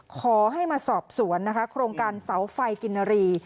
ขอให้มาสอบสวนนะคะโครงการเสาไฟกินรี